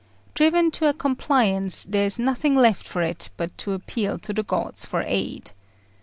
Driven to a compliance, there is nothing left for it but to appeal to the gods for aid.